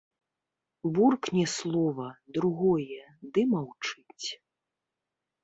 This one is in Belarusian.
Буркне слова, другое ды маўчыць.